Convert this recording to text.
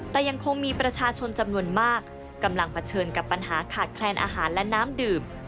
แต่ยังคงมีประชาชนจำนวนมากกำลังเผชิญกับปัญหาขาดแคลนอาหารและน้ำดื่ม